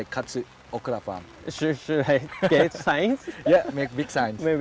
คุณต้องเป็นผู้งาน